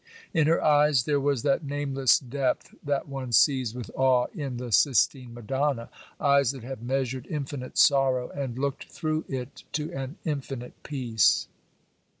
In her eyes there was that nameless depth that one sees with awe in the Sistine Madonna; eyes that have measured infinite sorrow and looked through it to an infinite peace.